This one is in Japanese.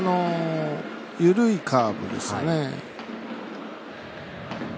緩いカーブですね。